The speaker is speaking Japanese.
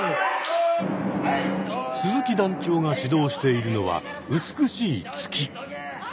鈴木団長が指導しているのは美しい突き。